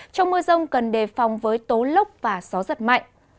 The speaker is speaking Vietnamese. trong mưa rông cần đề phòng với tố lốc và gió giật mạnh